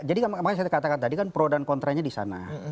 jadi makanya saya katakan tadi kan pro dan contra nya disana